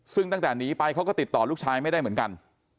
ซึ่งตั้งแต่หนีไปเขาก็ติดต่อลูกชายไม่ได้เหมือนกัน